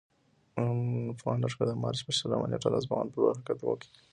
افغان لښکر د مارچ په شلمه نېټه د اصفهان پر لور حرکت وکړ.